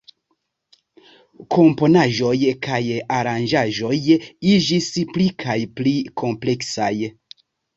Komponaĵoj kaj aranĝaĵoj iĝis pli kaj pli kompleksaj.